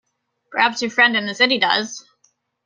Perhaps your friend in the city does.